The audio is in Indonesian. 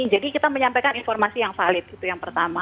jadi kita menyampaikan informasi yang valid itu yang pertama